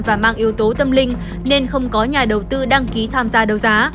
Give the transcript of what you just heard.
và mang yếu tố tâm linh nên không có nhà đầu tư đăng ký tham gia đấu giá